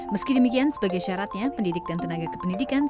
meski demikian sebagai syaratnya pendidik dan tenaga kependidikan